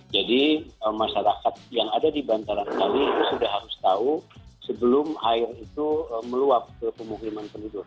jadi masyarakat yang ada di bantaran kali itu sudah harus tahu sebelum air itu meluap ke pemukiman penduduk